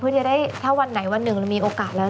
เพื่อจะได้ถ้าวันไหนวันหนึ่งเรามีโอกาสแล้ว